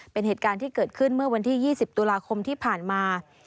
เป็นเหตุการณ์ที่เกิดขึ้นเมื่อวันที่๒๐ตุลาคมที่ผ่านมา